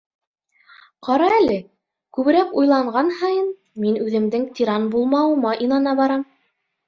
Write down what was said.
Ҡара әле, күберәк уйланған һайын, мин үҙемдең тиран булмауыма инана барам.